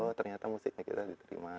oh ternyata musiknya kita diterima